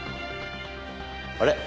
あれ？